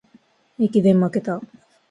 駅伝まけた